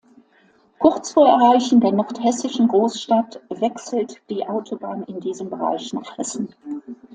Kurz vor Erreichen der nordhessischen Großstadt wechselt die Autobahn in diesem Bereich nach Hessen.